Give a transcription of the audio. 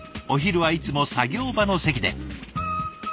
お昼はいつも作業場の席で。